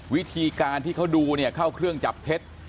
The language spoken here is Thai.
วิธีการที่เขาดูเนี่ยเข้าเครื่องจับเท็จ